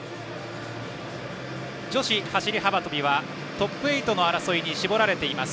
女子走り幅跳びはトップ８の争いに絞られています。